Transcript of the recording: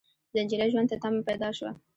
د نجلۍ ژوند ته تمه پيدا شوه.